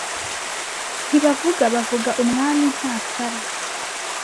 Ntibavuga bavuga Umwami ntasara